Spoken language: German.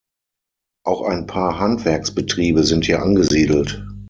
Auch ein paar Handwerksbetriebe sind hier angesiedelt.